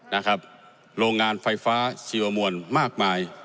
นะครับโรงงานไฟฟ้าชีวมวลมากมาย